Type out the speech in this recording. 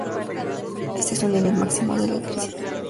Este es su nivel máximo de electricidad.